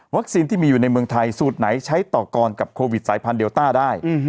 ที่มีอยู่ในเมืองไทยสูตรไหนใช้ต่อกรกับโควิดสายพันธุเดลต้าได้